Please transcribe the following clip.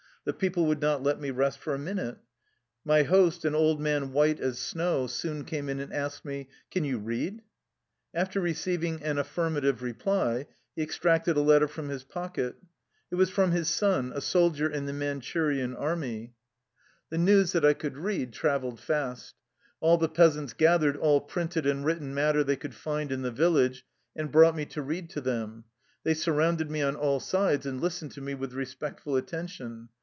The people would not let me rest for a minute. My host, an old man white as snow, soon came in and asked me :" Can you read? " After receiving an affirmative reply, he ex tracted a letter from his pocket. It was from his son, a soldier in the Manchurian army. 101 THE LIFE STOKY OF A RUSSIAN EXILE The news that I could read traveled fast. All the peasants gathered all printed and written matter they could find in the village and brought me to read to them. They surrounded me on all sides and listened to me with respectful atten tion.